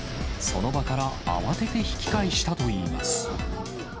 その場から慌てて引き返したといいます。